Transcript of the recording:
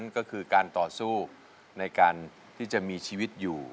ก็คือการต่อสู้ในการที่จะมีชีวิตอยู่